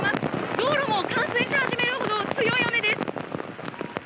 道路も冠水し始めるほど強い雨です。